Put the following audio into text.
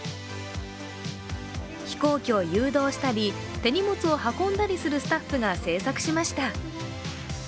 飛行機を誘導したり手荷物を運んだりするスタッフが制作しました。